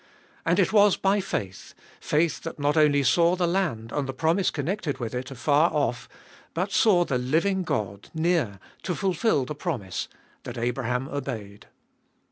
And it was by faith, faith that not only saw the land, and the promise connected with it, afar off, but saw the living God near to fulfil the promise, that Abraham obeyed.